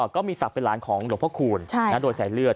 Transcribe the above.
ก็มีศักดิ์เป็นหลานของหลวงพระคูณโดยสายเลือด